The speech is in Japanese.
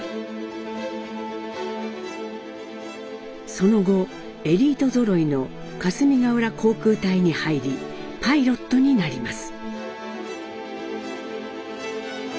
その後エリートぞろいの「霞ヶ浦航空隊」に入りパイロットになります。